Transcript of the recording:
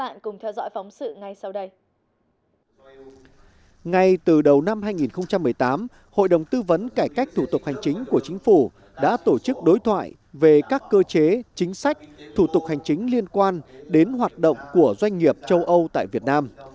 ngay từ đầu năm hai nghìn một mươi tám hội đồng tư vấn cải cách thủ tục hành chính của chính phủ đã tổ chức đối thoại về các cơ chế chính sách thủ tục hành chính liên quan đến hoạt động của doanh nghiệp châu âu tại việt nam